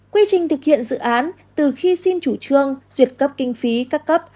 quy trình thực hiện dự án từ khi xin chủ trương duyệt cấp kinh phí các cấp